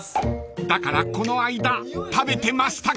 ［だからこの間食べてましたから！］